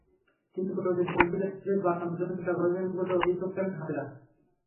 তিনি প্রকৃত দোষী ব্যক্তিদের বাঁচানোর জন্য চেষ্টা করছেন বলে অভিযোগ করেন হাজেরা।